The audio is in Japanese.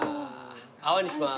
泡にします。